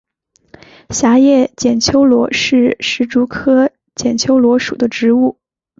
狭叶剪秋罗是石竹科剪秋罗属的植物。